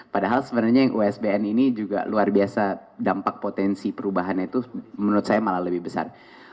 padahal sebenarnya yang usbn ini juga luar biasa dampak potensi perubahannya itu menurut saya malah lebih besar